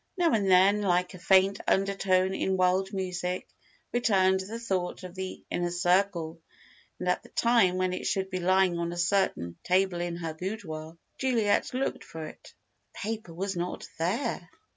Now and then, like a faint undertone in wild music, returned the thought of the Inner Circle, and at the time when it should be lying on a certain table in her boudoir, Juliet looked for it. The paper was not there!